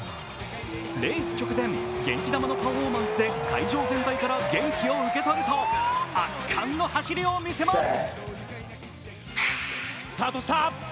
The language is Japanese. レース直前、元気玉のパフォーマンスで会場全体から元気を受け取ると圧巻の走りを見せます。